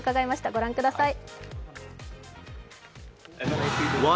ご覧ください。